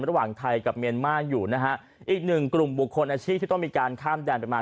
ระหว่างไทยกับเมียนมาร์อยู่นะฮะอีกหนึ่งกลุ่มบุคคลอาชีพที่ต้องมีการข้ามแดนไปมา